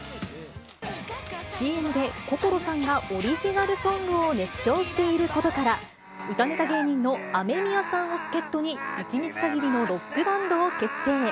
ＣＭで心さんがオリジナルソングを熱唱していることから、歌ネタ芸人のアメミヤさんを助っ人に、１日限りのロックバンドを結成。